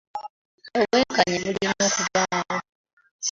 Obwenkanya bulina okubaawo.